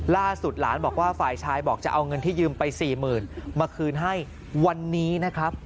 ล่าสุดหลานบอกว่าฝ่ายชายบอกจะเอาเงินที่ยืมไปสี่หมื่นมาคืนให้วันนี้นะครับ